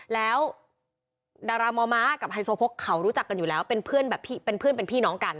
แล้วดารามอม้ากับไฮโซโพกเขารู้จักกันอยู่แล้วเป็นเพื่อนแบบเป็นเพื่อนเป็นพี่น้องกัน